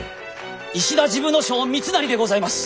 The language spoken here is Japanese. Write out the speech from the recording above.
石田治部少輔三成でございます。